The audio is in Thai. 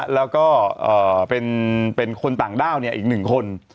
แล้วก็เป็นคนต่างด้าวอีก๑คน